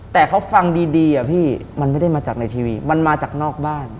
แต่เขาฟังดีอะพี่มันไม่ได้มาจากในทีวีมันมาจากนอกบ้าน